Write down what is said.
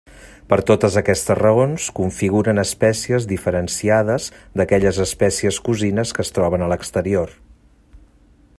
Per totes aquestes raons, configuren espècies diferenciades d'aquelles espècies cosines que es troben a l'exterior.